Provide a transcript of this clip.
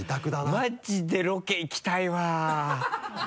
マジでロケ行きたいわ！